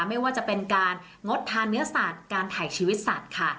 ไม่ว่าจะเป็นการงดทานเนื้อสัตว์การถ่ายชีวิตสัตว์ค่ะ